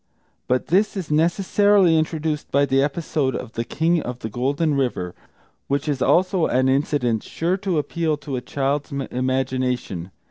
But this is necessarily introduced by the episode of the King of the Golden River, which is, also, an incident sure to appeal to a child's imagination.